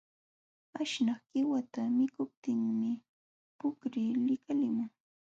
Aśhnaq qiwata mikuptinmi puqri likalimun.